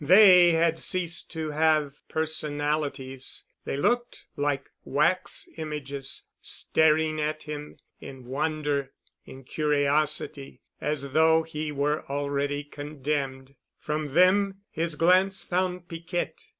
They had ceased to have personalities. They looked like wax images—staring at him in wonder, in curiosity, as though he were already condemned. From them his glance found Piquette.